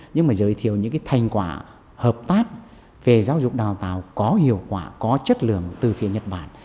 nhưng mà giới thiệu những thành quả hợp tác về giáo dục đào tạo có hiệu quả có chất lượng từ phía nhật bản